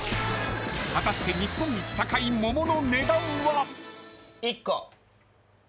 ［果たして日本一高い桃の値段は？］